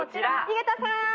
井桁さん！